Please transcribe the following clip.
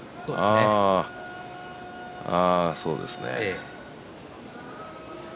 ああ、そうですね。